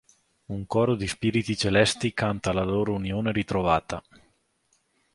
Un coro di spiriti celesti canta la loro unione ritrovata.